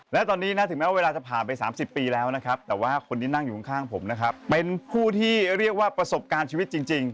และตอนนี้นะถึงแม้ว่าเวลาจะผ่านไป๓๐ปีแล้วนะครับแต่ว่าคนที่นั่งอยู่ข้างผมนะครับเป็นผู้ที่เรียกว่าประสบการณ์ชีวิตจริง